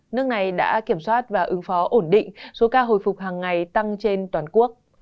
nước này đã kiểm soát và ứng phó ổn định số ca hồi phục hàng ngày tăng trên toàn quốc